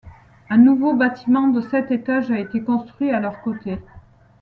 Un nouveau bâtiment de sept étages a été construit à leurs côtés.